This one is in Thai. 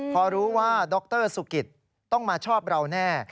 พอรู้ว่าดรสุกิตต้องมาชอบเราแน่